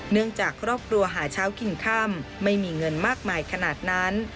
เนื่องจากครอบครัวหาเช้ากินค่ำไม่มีเงินมากมายขนาดนั้น